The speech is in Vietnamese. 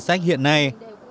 sách hiện nay